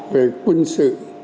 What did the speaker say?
về quân sự